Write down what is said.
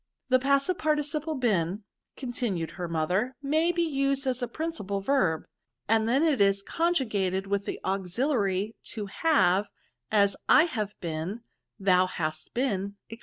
The passive participle been" continued her mother, *' may be used as a principal verb, and then it is conjugated with the auxiliary to have ; as, I have been, thou hast been, &c.